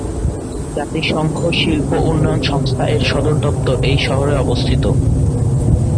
জাতিসংঘ শিল্প উন্নয়ন সংস্থা -এর সদর দপ্তর এই শহরে অবস্থিত।